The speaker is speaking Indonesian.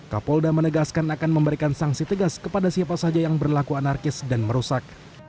kapolda menegaskan akan memberikan sanksi tegas kepada siapa saja yang berlaku anarkis dan merusak